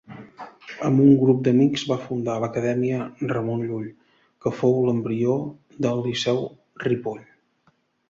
Amb un grup d'amics va fundar l'acadèmia Ramon Llull, que fou l'embrió del Liceu Ripoll.